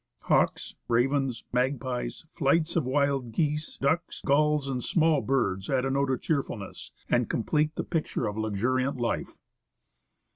Hawks, ravens, magpies, flights of wild geese, ducks, gulls, and small birds add a note of cheerfulness, and complete the picture of luxuriant life.